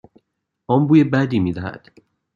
آن بوی بدی میدهد.